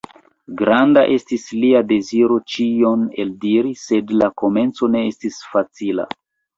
Granda estis lia deziro ĉion eldiri, sed la komenco ne estis facila!